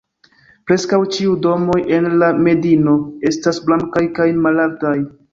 Preskaŭ ĉiuj domoj en la medino estas blankaj kaj malaltaj.